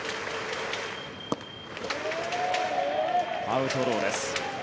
アウトローです。